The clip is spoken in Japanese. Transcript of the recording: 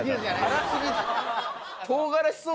「辛すぎず」？